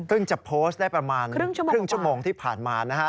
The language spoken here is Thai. เพิ่งจะโพสต์ได้ประมาณครึ่งชั่วโมงที่ผ่านมา